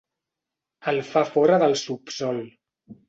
El fa fora del subsòl.